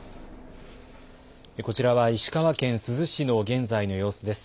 こちらは石川県珠洲市の現在の様子です。